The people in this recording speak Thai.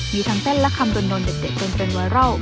มีทั้งเต้นและคำด่วนดนเด็กเป็นเตรียมวอร่าว